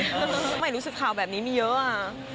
ทำไมรู้สึกข่าวแบบนี้มีเยอะอ่ะ